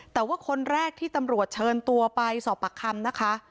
แต่ว่าคนแรกที่ตำรวจเชิญตัวไปสอบปากคำนะคะ